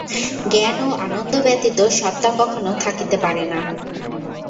জ্ঞান ও আনন্দ ব্যতীত সত্তা কখনও থাকিতে পারে না।